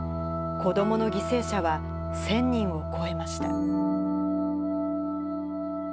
子どもの犠牲者は１０００人を超えました。